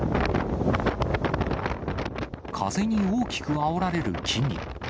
風に大きくあおられる木々。